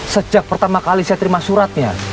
sejak pertama kali saya terima suratnya